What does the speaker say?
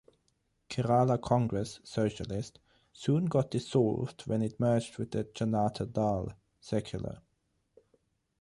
Kerala Congress (Socialist) soon got dissolved when it merged with the Janata Dal (Secular).